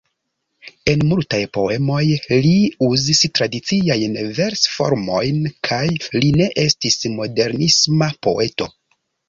En multaj poemoj li uzis tradiciajn vers-formojn kaj li ne estis modernisma poeto.